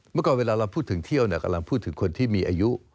เมื่อก่อนเวลาเราพูดถึงเที่ยวกำลังพูดถึงคนที่มีอายุ